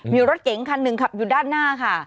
มีรถเก๋งคันหนึ่งขับอยู่ด้านหน้าค่ะ